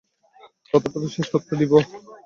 কথাটা তো শেষ করতে দিবে।